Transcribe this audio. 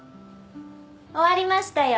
終わりましたよ。